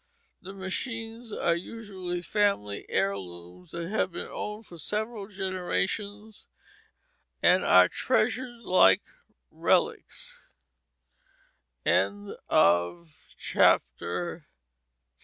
The machines are usually family heirlooms that have been owned for several generations, and are treasured like reli